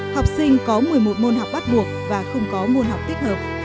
học sinh có một mươi một môn học bắt buộc và không có môn học tích hợp